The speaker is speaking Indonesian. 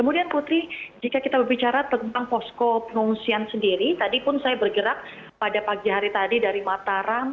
jadi jika kita berbicara tentang posko penungsian sendiri tadi pun saya bergerak pada pagi hari tadi dari mataram